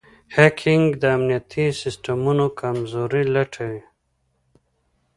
هیکنګ د امنیتي سیسټمونو کمزورۍ لټوي.